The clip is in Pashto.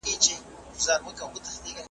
سترګو ژړلي دي ژړلي دي سلګۍ نه لري .